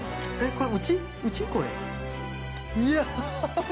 これ。